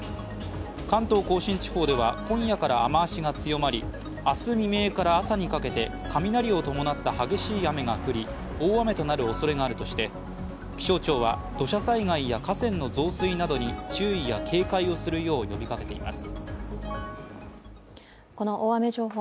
関東甲信地方では今夜から雨足が強まり、明日未明から朝にかけて雷を伴った激しい雨が降り大雨となるおそれがあるとして気象庁は土砂災害や河川の増水などに注意や警戒をするよう呼びかけています。